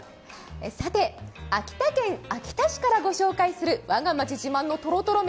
さて、秋田県秋田市からご紹介する「我がまち自慢のトロトロ麺」。